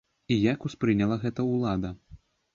І як успрыняла гэта ўлада?